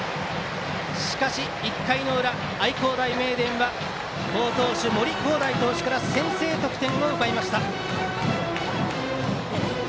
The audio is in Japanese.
しかし１回の裏、愛工大名電は好投手・森煌誠選手から先制点を奪いました。